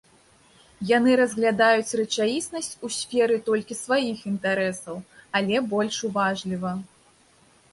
Яны разглядаюць рэчаіснасць у сферы толькі сваіх інтарэсаў, але больш уважліва.